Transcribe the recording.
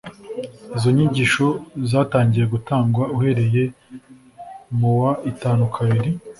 Izo nyigisho zatangiye gutangwa uhereye mu wa itanu kabiri.